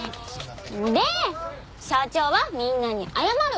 で社長はみんなに謝る。